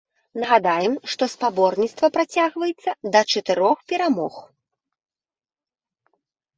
Нагадаем, што спаборніцтва працягваецца да чатырох перамог.